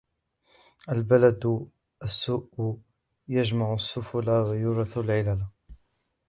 الْبَلَدُ السُّوءُ يَجْمَعُ السَّفَلَ وَيُورِثُ الْعِلَلَ